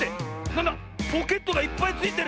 なんだポケットがいっぱいついてる！